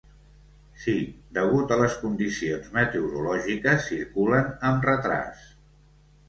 Sí, degut a les condicions meteorològiques circulen amb retràs.